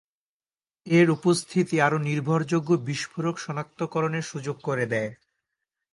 এর উপস্থিতি আরও নির্ভরযোগ্য বিস্ফোরক সনাক্তকরণের সুযোগ করে দেয়।